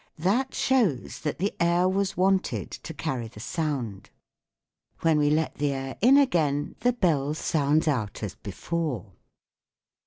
That shows that the air was wanted to carry the sound. When we let the air in again the bell sounds out as before.